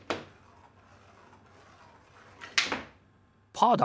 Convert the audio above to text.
パーだ！